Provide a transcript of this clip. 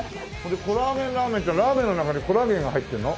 コラーゲンラーメンってラーメンの中にコラーゲンが入ってんの？